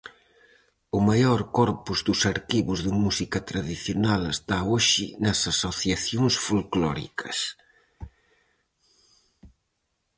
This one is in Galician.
O maior corpus dos arquivos de música tradicional está hoxe nas asociacións folclóricas.